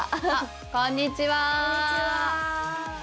こんにちは！